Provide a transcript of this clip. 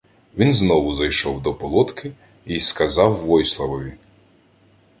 Він знову зайшов до полотки й сказав Войславові: